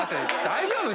大丈夫？